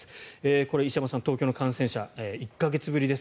これ、石山さん、東京の感染者１か月ぶりです。